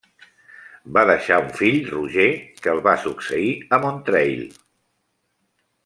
Va deixar un fill Roger, que el va succeir a Montreuil.